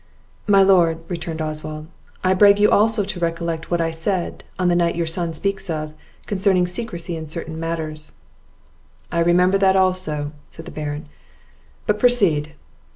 "My lord," returned Oswald, "I beg you also to recollect what I said, on the night your son speaks of, concerning secrecy in certain matters." "I remember that also," said the Baron; "but proceed."